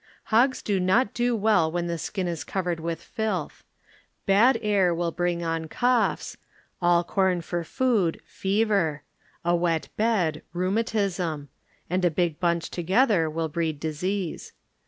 Hogs will not do well when the skin is covered with filth. Bad air will bring on coughs; all com for food, fever; a wet bed, rheumatism: and a big bunch together will breed disease.